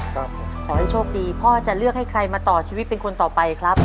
ขอให้โชคดีพ่อจะเลือกให้ใครมาต่อชีวิตเป็นคนต่อไปครับ